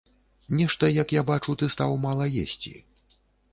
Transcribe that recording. Нешта, як я бачу, ты стаў мала есці.